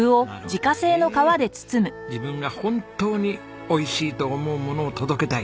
自分が本当においしいと思うものを届けたい。